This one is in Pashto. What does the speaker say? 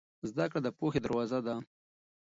زده کړه د پوهې دروازه ده.